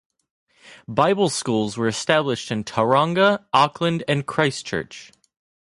Bible schools were established in Tauranga, Auckland and Christchurch.